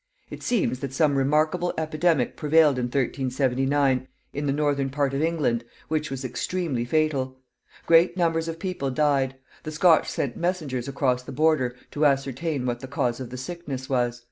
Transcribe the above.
It seems that some remarkable epidemic prevailed in 1379 in the northern part of England, which was extremely fatal. Great numbers of people died. The Scotch sent messengers across the border to ascertain what the cause of the sickness was.